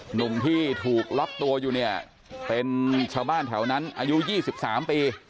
หนุ่มที่ถูกล็อกตัวอยู่เนี่ยเป็นชาวบ้านแถวนั้นอายุ๒๓ปี